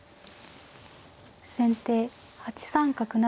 先手８三角成。